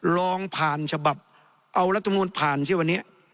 ลองผ่านฉบับเอาแล้วตรงนู้นผ่านสิวันนี้